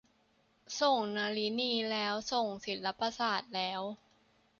ส่งนลินีแล้ว ส่งศิลปศาสตร์แล้ว.